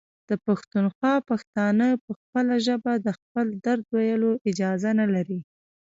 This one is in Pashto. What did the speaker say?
د پښتونخوا پښتانه په خپله ژبه د خپل درد ویلو اجازه نلري.